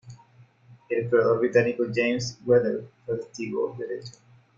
El explorador británico James Weddell fue testigo del hecho.